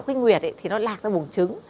cái nguyệt thì nó lạc ra bùng trứng